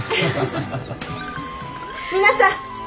皆さん！